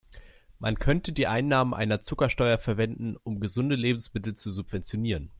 Man könnte die Einnahmen einer Zuckersteuer verwenden, um gesunde Lebensmittel zu subventionieren.